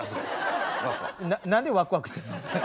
何でワクワクしてんの？